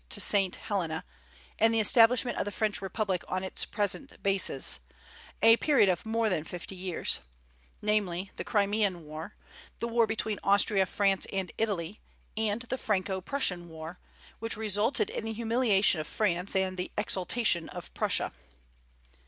to St. Helena and the establishment of the French Republic on its present basis, a period of more than fifty years, namely, the Crimean war; the war between Austria, France, and Italy; and the Franco Prussian war, which resulted in the humiliation of France and the exaltation of Prussia.